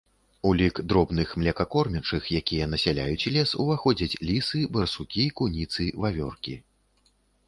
У лік дробных млекакормячых, якія насяляюць лес, уваходзяць лісы, барсукі, куніцы, вавёркі.